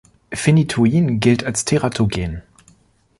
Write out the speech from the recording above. Phenytoin gilt als teratogen.